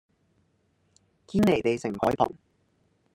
堅彌地城海旁